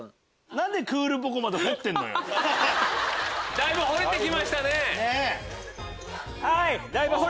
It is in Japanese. だいぶ掘れてきましたね！